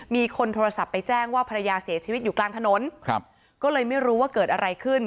มีคนโทรศัพท์ไปแจ้งว่าภรรยาเสียชีวิตอยู่กลางถนนครับก็เลยไม่รู้ว่าเกิดอะไรขึ้น